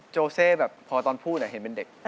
โเซ่แบบพอตอนพูดเห็นเป็นเด็ก